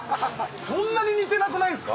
そんなに似てなくないですか？